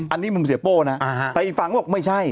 อันนี้มุมเสียโป้นะแต่อีกฝั่งก็บอกไม่ใช่